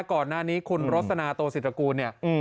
ก่อนหน้านี้คุณรสนาโตศิตระกูลเนี่ย